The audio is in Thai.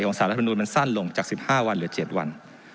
สารรัฐมนุนมันสั้นลงจาก๑๕วันเหลือ๗วัน